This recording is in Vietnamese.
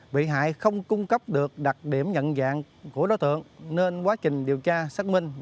vị hại không cung cấp được đặc điểm nhận dạng của đối tượng nên quá trình điều tra xác minh gặp lại